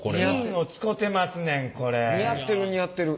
似合ってる似合ってる。